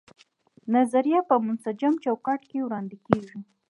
نظریه په منسجم چوکاټ کې وړاندې کیږي.